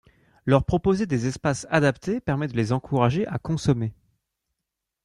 Leur proposer des espaces adaptés permet de les encourager à consommer.